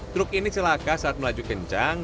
truk ini celaka saat melaju kencang